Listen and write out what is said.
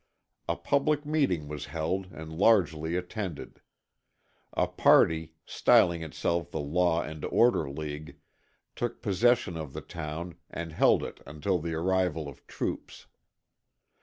A public meeting was held and largely attended. A party, styling itself the Law and Order League, took possession of the town and held it until the arrival of troops.